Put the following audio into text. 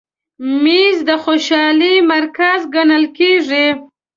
مېز د خوشحالۍ مرکز ګڼل کېږي.